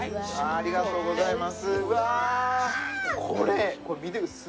ありがとうございます。